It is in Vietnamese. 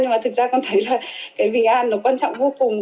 nhưng mà thực ra con thấy là cái bình an nó quan trọng vô cùng